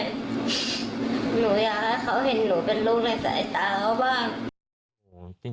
หนูอยากให้เขาเห็นหนูเป็นลูกในสายตาเขาบ้าง